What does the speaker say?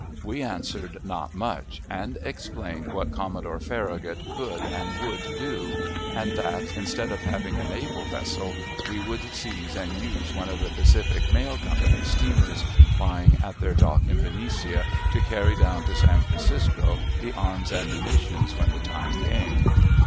We answered, "Not much," and explained what Commodore Farragut could and would do, and that, instead of having a naval vessel, we would seize and use one of the Pacific Mail Company's steamers, lying at their dock in Benicia, to carry down to San Francisco the arms and munitions when the time came.